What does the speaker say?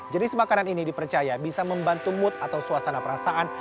jenis makanan ini dipercaya bisa membantu mood atau suasana perasaan